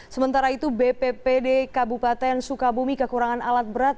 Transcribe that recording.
sementara itu bppd kabupaten sukabumi kekurangan alat berat